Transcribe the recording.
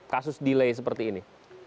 kasus delay seperti ini